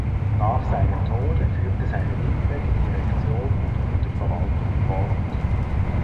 Nach seinem Tode führte seine Witwe die Direktion und Güterverwaltung fort.